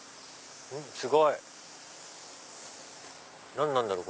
すごい！何なんだろう？